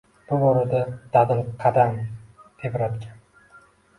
Bu borada dadil qalam tebratgan.